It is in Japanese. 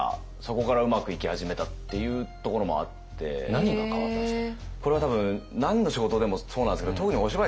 何が変わったんですか？